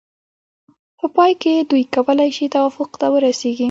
په پای کې دوی کولای شي توافق ته ورسیږي.